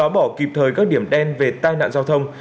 bị thời các điểm đen về tai nạn giao thông